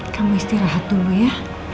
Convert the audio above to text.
kamu istirahat dulu ya